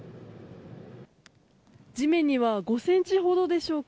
地面には５ｃｍほどでしょうか